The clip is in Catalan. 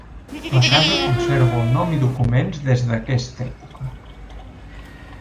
La casa conserva el nom i documents des d'aquesta època.